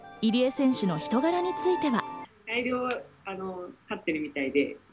入江選手の人柄については。